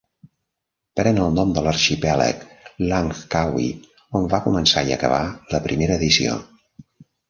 Pren el nom de l'arxipèlag Langkawi, on va començar i acabar la primera edició.